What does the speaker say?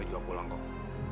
terima kasih samamu